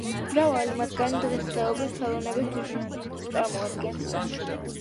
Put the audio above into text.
მრავალი მათგანი დღესდღეობით ხელოვნების ძვირფას ნიმუშს წარმოადგენს.